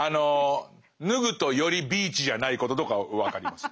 脱ぐとよりビーチじゃないこととか分かります。